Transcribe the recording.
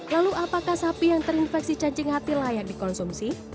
lalu apakah sapi yang terinfeksi cacing hati layak dikonsumsi